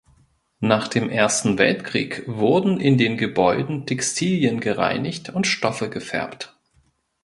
Nach dem Ersten Weltkrieg wurden in den Gebäuden Textilien gereinigt und Stoffe gefärbt.